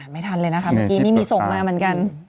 ไม่ทันเลยนะคะเมื่อกี้นี่มีส่งมาเหมือนกัน